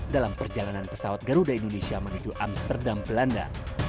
dalam perjalanan pesawat garuda indonesia menuju amsterdam belanda